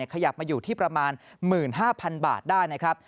ขยับมาอยู่ที่ประมาณ๑๕๐๐๐บาทได้นะครับ